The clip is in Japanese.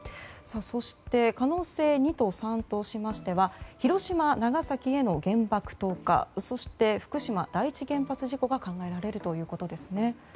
そして可能性２と３としましては広島、長崎への原爆投下そして福島第一原発事故が考えられるということですね。